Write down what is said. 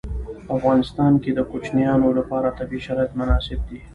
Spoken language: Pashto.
په افغانستان کې د کوچیانو لپاره طبیعي شرایط مناسب دي.